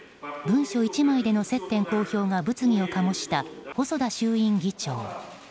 文書１枚での接点公表が物議を醸した細田衆院議長。